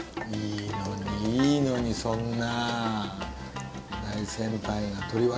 いいのにいいのにそんな。